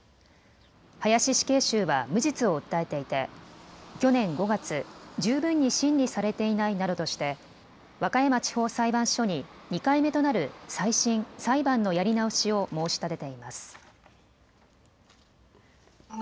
林死刑囚は無実を訴えていて去年５月、十分に審理されていないなどとして和歌山地方裁判所に２回目となる再審裁判のやり直しを申し立てています。